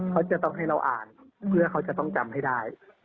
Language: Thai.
เขาจะต้องให้เราอ่านเพื่อเขาจะต้องจำให้ได้